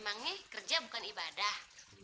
emangnya kerja bukan ibadah